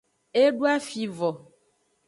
E doa fi vo.